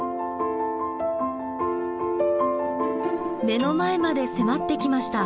目の前まで迫ってきました。